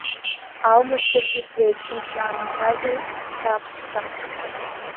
Аума сырҵысуеит, шәымшәан умҳәази, саб, саб!